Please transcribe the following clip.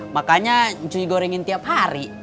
makanya cui gorengin tiap hari